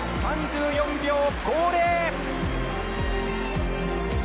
３４秒５０！